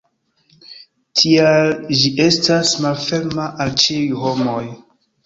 Tial ĝi estas malferma al ĉiuj homoj.